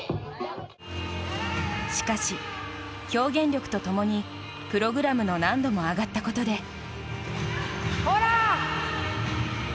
しかし、表現力と共にプログラムの難度も上がったことで。